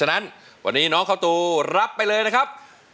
ฉะนั้นวันนี้น้องข้าวตูรับไปเลยนะครับ